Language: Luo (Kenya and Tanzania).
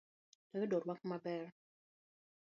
Noyudo rwak maber.